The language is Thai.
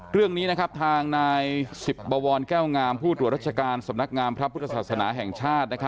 เรื่องนี้ทางนายสิบบวรแก้วงามผู้ตรวจราชการสำนักงามพระพุทธศาสนาแห่งชาติ